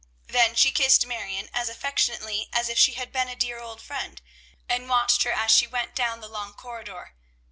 Then she kissed Marion as affectionately as if she had been a dear old friend, and watched her as she went down the long corridor.